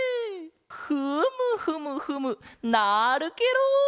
フムフムフムなるケロ！